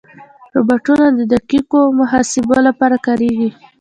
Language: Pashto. روبوټونه د دقیقو محاسبو لپاره کارېږي.